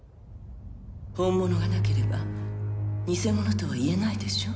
本物がなければ偽物とは言えないでしょ？